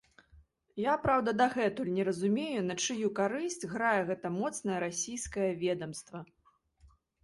Я, праўда, дагэтуль не разумею, на чыю карысць грае гэтае моцнае расійскае ведамства.